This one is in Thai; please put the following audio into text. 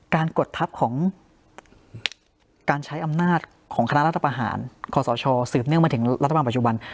กดทัพของการใช้อำนาจของคณะรัฐประหารคศสืบเนื่องมาถึงรัฐบาลปัจจุบัน